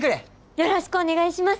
よろしくお願いします！